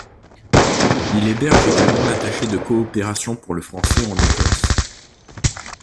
Il héberge également l'attaché de coopération pour le français en Écosse.